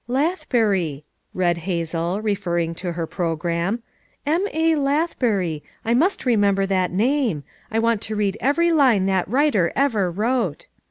"Lathbury" read Hazel, referring to her program. "M. A. Lathbury, I must remember that name ; I want to read every line that writer ever wrote.